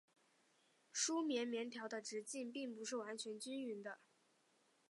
梳棉棉条的直径并不是完全均匀的。